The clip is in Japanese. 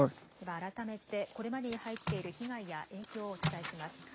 では、改めてこれまでに入っている被害や影響をお伝えします。